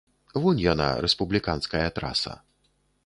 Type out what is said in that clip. Вунь яна, рэспубліканская траса.